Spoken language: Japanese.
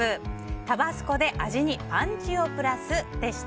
タバスコで味にパンチをプラスでした。